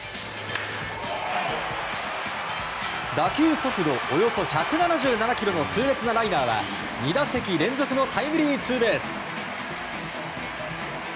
打球速度およそ１７７キロの痛烈なライナーは２打席連続のタイムリーツーベース！